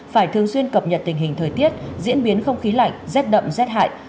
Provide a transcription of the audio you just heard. phải thường xuyên cập nhật tình hình thời tiết diễn biến không khí lạnh xét đậm xét hại